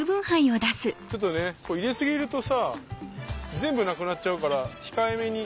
ちょっとね入れ過ぎるとさ全部なくなっちゃうから控えめに。